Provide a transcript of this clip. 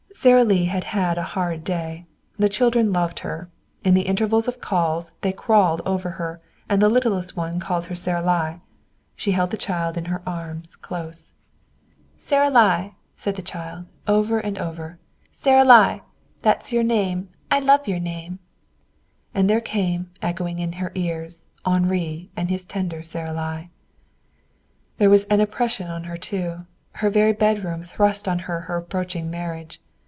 Sara Lee had had a hard day. The children loved her. In the intervals of calls they crawled over her, and the littlest one called her Saralie. She held the child in her arms close. "Saralie!" said the child, over and over; "Saralie! That's your name. I love your name." And there came, echoing in her ears, Henri and his tender Saralie. There was an oppression on her too. Her very bedroom thrust on her her approaching marriage.